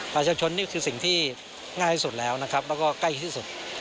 ประชาชนนี่คือสิ่งที่ง่ายที่สุดแล้วและใกล้ที่สุด